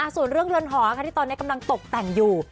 ส่วนเรื่องลนหอว่าอาทิตย์ตอนนี้กำลังตกแต่งอยู่